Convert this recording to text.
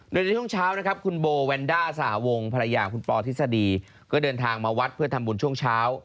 โดยในช่วงเช้านะครับคุณโบแวนด้าสหวงภรรยาคุณปอทฤษฎีก็เดินทางมาวัดเพื่อทำบุญช่วงเช้า